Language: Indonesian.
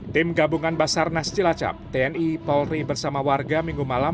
tim gabungan basarnas cilacap tni polri bersama warga minggu malam